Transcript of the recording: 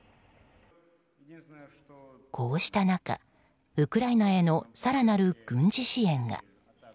こうした中、ウクライナへの更なる軍事支援が。